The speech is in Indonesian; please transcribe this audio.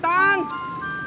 udah papa mintaan